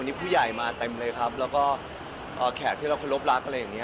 นี่ผู้ใหญ่มาเต็มเลยครับแล้วก็แขกที่เราเคารพรักอะไรอย่างนี้